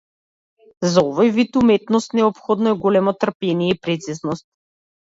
За овој вид уметност неопходно е големо трпение и прецизност.